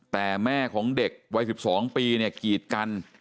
แต่แม่ของเด็กวัย๑๒ปีเนี่ยกีดกัน